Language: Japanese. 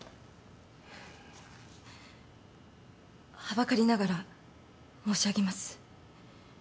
はばかりながら申し上げます。